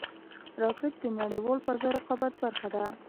راکټ د نړیوال فضا رقابت برخه ده